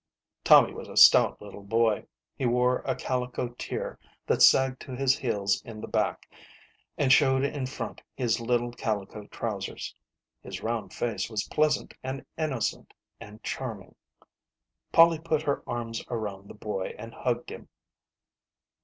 Tommy was a stout little boy. He wore a calico tier that sagged to his heels in the back, and showed in front his little calico trousers. His round face was pleasant and innocent and charming. Polly put her arms around the boy and hugged him.